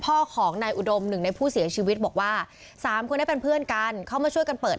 พ่อของนายอุดมหนึ่งในผู้เสียชีวิตบอกว่าสามคนนี้เป็นเพื่อนกันเข้ามาช่วยกันเปิด